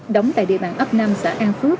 đóng tại địa bàn ấp năm xã an phước